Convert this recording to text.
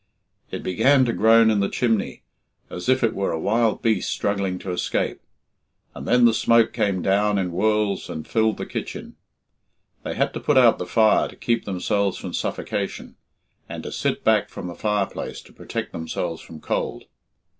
It began to groan in the chimney as if it were a wild beast struggling to escape, and then the smoke came down in whorls and filled the kitchen. They had to put out the fire to keep themselves from suffocation, and to sit back from the fireplace to protect themselves from cold.